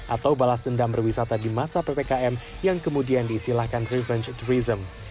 atau balas dendam berwisata di masa ppkm yang kemudian diistilahkan revenge tourism